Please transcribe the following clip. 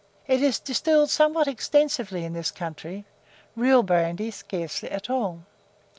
It is distilled somewhat extensively in this country; real brandy scarcely at all.